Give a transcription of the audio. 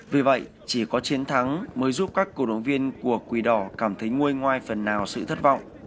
vì vậy chỉ có chiến thắng mới giúp các cổ động viên của quỳ đỏ cảm thấy nguôi ngoai phần nào sự thất vọng